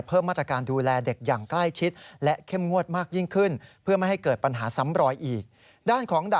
เพิ่มมาตรการดูแลเด็กอย่างใกล้ชิดและเข้มงวดมากยิ่งขึ้น